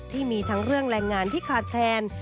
ที่มีทั้งเรื่องแรงงานที่ขาดแคลน